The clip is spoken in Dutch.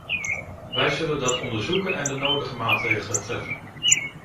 Wij zullen dat onderzoeken en de nodige maatregelen treffen.